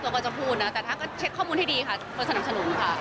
สนุกก็จะคุ้นแต่ถ้าเช็คข้อมูลให้ดีผมสนุกให้ด้านหน้าสวย